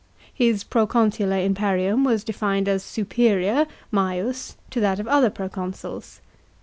His proconsular imperium was defined as " superior " (maius) to that of other proconsuls.